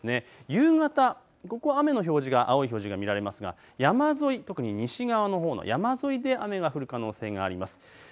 夕方、雨の表示が青い表示が見られますが山沿い、特に西側のほう、雨が来る可能性があります。